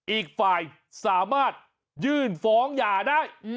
อีกฝ่ายสามารถยื่นฟ้องหย่าได้